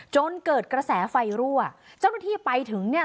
จนเกิดกระแสไฟรั่วเจ้าหน้าที่ไปถึงเนี่ย